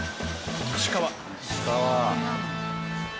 石川。